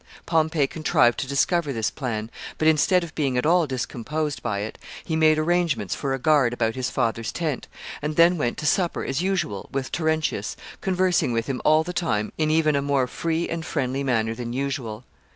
Pompey contrived to discover this plan, but, instead of being at all discomposed by it, he made arrangements for a guard about his father's tent and then went to supper as usual with Terentius, conversing with him all the time in even a more free and friendly manner than usual.